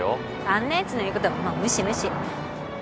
あんなやつの言うこともう無視無視。